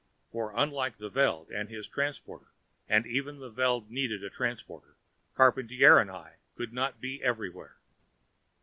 For unlike the Veld and his transporter and even the Veld needed a transporter Charpantier and I could not be everywhere.